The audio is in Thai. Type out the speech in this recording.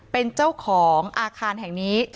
เป็นเจ้าของอาคารแห่งนี้